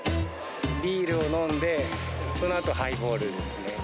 ビールを飲んで、そのあとハイボールですね。